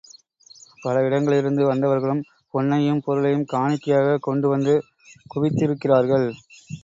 பல இடங்களிலிருந்து வந்தவர்களும் பொன்னையும் பொருளையும் காணிக்கையாக கொண்டு வந்து குவித்திருக்கிறார்கள்.